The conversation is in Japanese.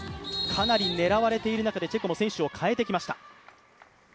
かなり狙われている中で、チェコも選手を代えてきました。